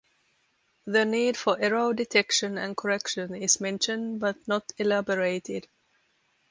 The need for error detection and correction is mentioned but not elaborated.